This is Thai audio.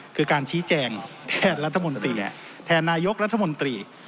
คือการชี้แจงแทนรัฐมนตรีแทนนายกรัฐมนตรี